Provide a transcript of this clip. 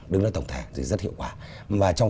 đứng đó tổng thể thì rất hiệu quả và trong